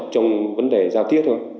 trong vấn đề giao tiết thôi